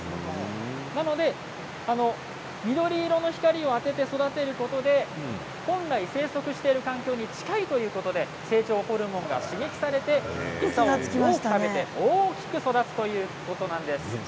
なので緑色の光を当てて育てることで本来、生息している環境に近いということで成長ホルモンが刺激されて餌を多く食べて大きく育つということなんです。